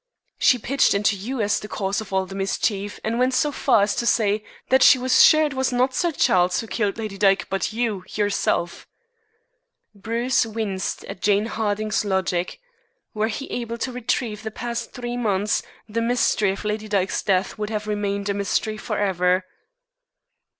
"She pitched into you as the cause of all the mischief, and went so far as to say that she was sure it was not Sir Charles who killed Lady Dyke, but you yourself." Bruce winced at Jane Harding's logic. Were he able to retrieve the past three months the mystery of Lady Dyke's death would have remained a mystery forever.